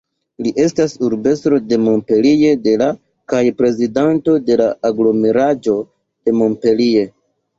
Li estas urbestro de Montpellier de la kaj prezidanto de la Aglomeraĵo de Montpellier.